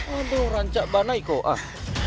aduh ranca mana itu ah